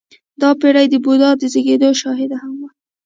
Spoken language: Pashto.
• دا پېړۍ د بودا د زېږېدو شاهده هم وه.